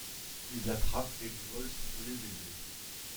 Il l'attrape et lui vole son premier baiser.